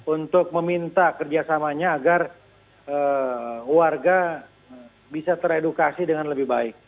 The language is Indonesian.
untuk meminta kerjasamanya agar warga bisa teredukasi dengan lebih baik